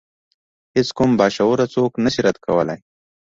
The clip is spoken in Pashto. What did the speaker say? هیڅ کوم باشعوره څوک نشي رد کولای.